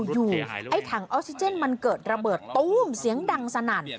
ไอ้ถังออกซิเจนมันเกิดระเบิดตู้มเสียงดังสนั่น